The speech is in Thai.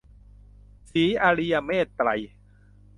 ศรีอริยเมตตรัย